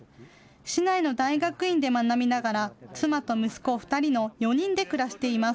市内の大学院で学びながら妻と息子２人の４人で暮らしています。